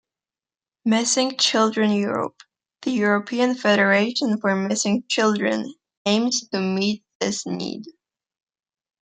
Missing Children Europe, the European federation for missing children, aims to meet this need.